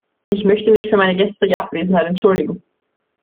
Ich möchte mich für meine gestrige Abwesenheit entschuldigen.